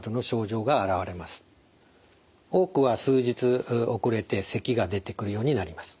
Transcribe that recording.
多くは数日遅れてせきが出てくるようになります。